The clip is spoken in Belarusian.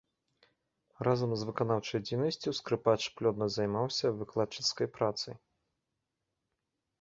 Разам з выканаўчай дзейнасцю скрыпач плённа займаўся выкладчыцкай працай.